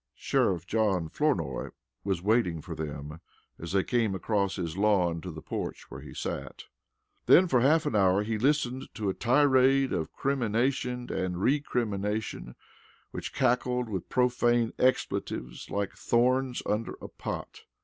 Sheriff John Flournoy was waiting for them as they came across his lawn to the porch where he sat. Then for half an hour he listened to a tirade of crimination and recrimination which crackled with profane expletives like thorns under a pot.